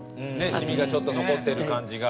染みがちょっと残ってる感じが。